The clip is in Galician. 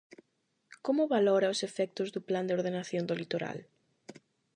Como valora os efectos do plan de ordenación do litoral?